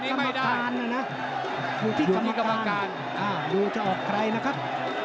อยู่ที่กรรมการนะนะอยู่ที่กรรมการดูจะออกใครนะครับ